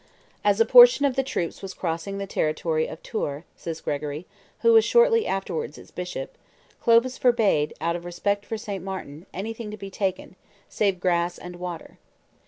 "As a portion of the troops was crossing the territory of Tours," says Gregory, who was shortly afterwards its bishop, "Clovis forbade, out of respect for St. Martin, anything to be taken, save grass and water.